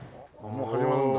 もう始まるんだ。